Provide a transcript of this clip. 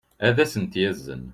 ad as-ten-yazen